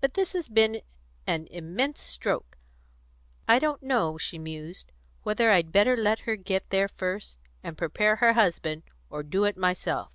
But this has been an immense stroke. I don't know," she mused, "whether I'd better let her get there first and prepare her husband, or do it myself.